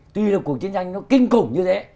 tuy là cuộc chiến tranh nó kinh củng như thế